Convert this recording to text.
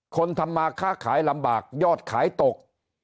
คนทำมาค้าขายลำบากยอดขายตก